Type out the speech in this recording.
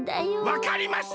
わかりました！